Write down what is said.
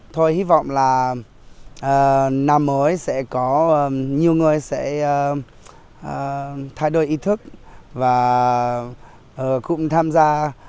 tôi hy vọng là năm mới sẽ có nhiều người sẽ thay đổi ý thức và cũng tham gia